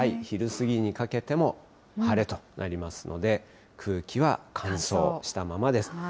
昼過ぎにかけても晴れとなりますので、空気は乾燥したままです。